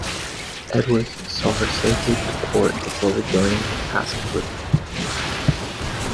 "Edwards" saw her safely to port before rejoining her task group.